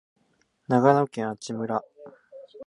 長野県阿智村